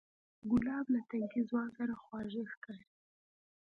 ګلاب له تنکي ځوان سره خواږه ښکاري.